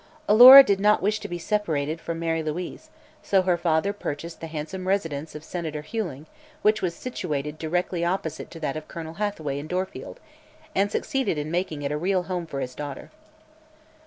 Alora did not wish to be separated from Mary Louise, so her father purchased the handsome residence of Senator Huling, which was situated directly opposite to that of Colonel Hathaway in Dorfield, and succeeded in making it a real home for his daughter.